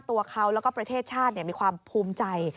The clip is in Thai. ตัวเขาแล้วก็ประเทศชาติมีความภูมิใจ